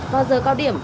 qua giờ cao điểm